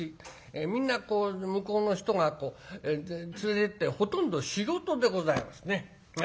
みんなこう向こうの人が連れてってほとんど仕事でございますね。